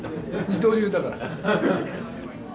二刀流だから。